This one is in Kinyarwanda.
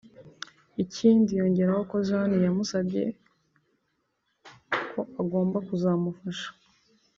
ikindi yongeraho ko Jeanne yamusabye ko agomba kuzamfasha